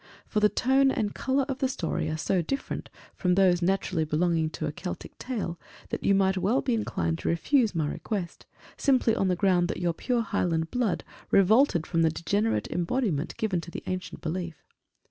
For the tone and colour of the story are so different from those naturally belonging to a Celtic tale, that you might well be inclined to refuse my request, simply on the ground that your pure Highland blood revolted from the degenerate embodiment given to the ancient belief.